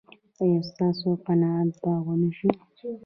ایا ستاسو قناعت به و نه شي؟